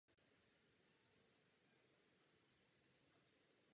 Měření, měření!